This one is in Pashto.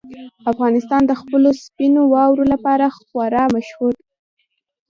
افغانستان د خپلو سپینو واورو لپاره خورا مشهور دی.